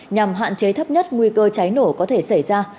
nhằm hạn chế thấp nhất nguy cơ cháy nổ có thể xảy ra